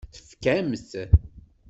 Tfakk-am-t.